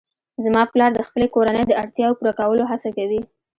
زما پلار د خپلې کورنۍ د اړتیاوو پوره کولو هڅه کوي